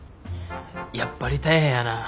やっぱり大変やなぁ。